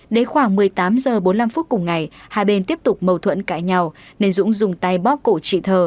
đến khoảng một mươi tám h bốn mươi năm phút cùng ngày hai bên tiếp tục mâu thuẫn cãi nhau nên dũng dùng tay bóc cổ chị thờ